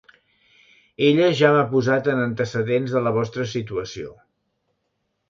Ella ja m'ha posat en antecedents de la vostra situació.